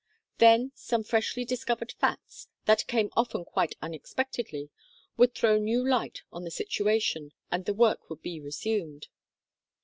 Then some freshly discovered facts, that came often quite unexpectedly, would throw new light on the situation, and the work would be resumed.